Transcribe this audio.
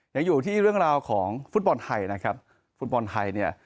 ยังอยู่ที่เรื่องราวของฟุตบอลไทยนะครับฟุตบอลไทยเนี่ย